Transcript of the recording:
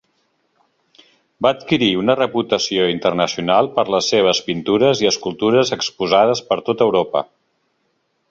Va adquirir una reputació internacional per les seves pintures i escultures exposades per tota Europa.